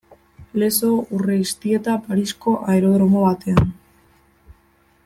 Lezo Urreiztieta Parisko aerodromo batean.